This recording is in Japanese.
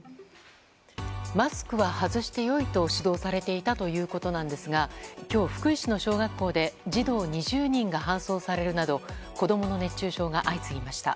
マスクは外してよいと指導されていたということですが今日、福井市の小学校で児童２０人が搬送されるなど子供の熱中症が相次ぎました。